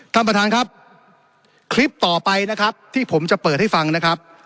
ท่านประธานครับคลิปต่อไปนะครับที่ผมจะเปิดให้ฟังนะครับ